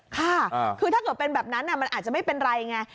ค่ะคือถ้าเกิดเป็นแบบนั้นมันอาจจะไม่เป็นไรไง